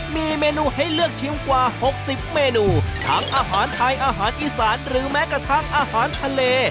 มีเมนูให้เลือกชิมกว่า๖๐เมนูทั้งอาหารไทยอาหารอีสานหรือแม้กระทั่งอาหารทะเล